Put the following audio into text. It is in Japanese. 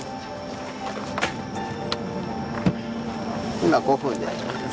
今、５分です。